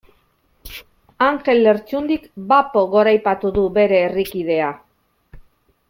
Anjel Lertxundik bapo goraipatu du bere herrikidea.